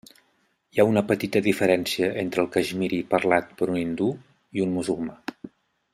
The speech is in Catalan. Hi ha una petita diferència entre el caixmiri parlat per un hindú i un musulmà.